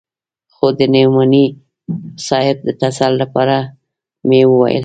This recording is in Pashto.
خو د نعماني صاحب د تسل لپاره مې وويل.